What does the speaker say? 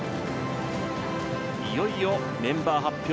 いよいよメンバー発表